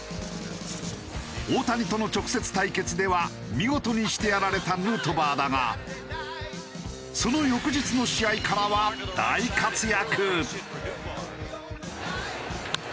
大谷との直接対決では見事にしてやられたヌートバーだがその翌日の試合からは大活躍。